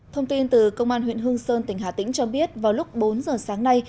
thông tin từ công an huyện hương sơn tỉnh hà tĩnh cho biết vào lúc bốn giờ sáng nay